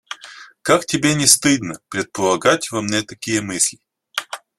Как тебе не стыдно предполагать во мне такие мысли!